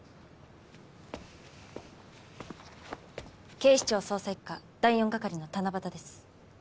警視庁捜査一課第四係の七夕です。